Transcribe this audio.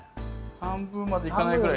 半分いかないぐらい。